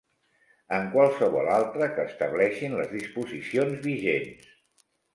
En qualsevol altre que estableixin les disposicions vigents.